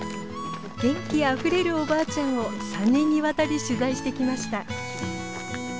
元気あふれるおばあちゃんを３年にわたり取材してきました。